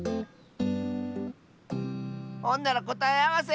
ほんならこたえあわせ！